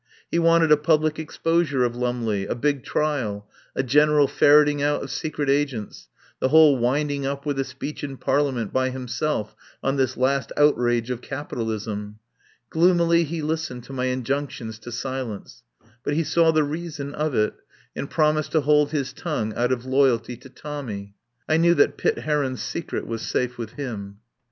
He wanted a public exposure of Lumley, a big trial, a general ferreting out of secret agents, the whole winding up with a speech in Parliament by himself on this last outrage of Capitalism. Gloomily he listened to my injunctions to silence. But he saw the reason of it and promised to hold his tongue out of loyalty to Tommy. I knew that Pitt Heron's secret was safe with him.